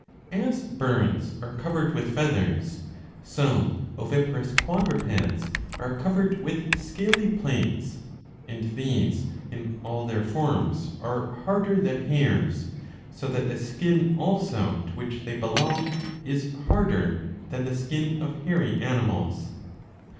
As birds are covered with feathers, so oviparous quadrupeds are covered with scaly plates ; and these in all their forms are harder than hairs, so that the skin''^ also to which they belong is harder than the skin of hairy animals.